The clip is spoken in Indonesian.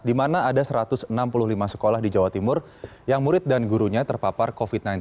di mana ada satu ratus enam puluh lima sekolah di jawa timur yang murid dan gurunya terpapar covid sembilan belas